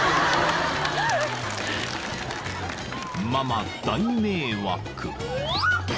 ［ママ大迷惑］